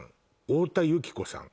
太田由貴子さん